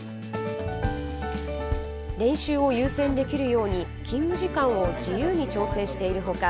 練習を優先できるように勤務時間を自由に調整しているほか